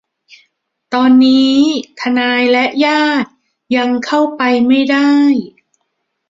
ตอนนี้ทนายและญาติยังเข้าไปไม่ได้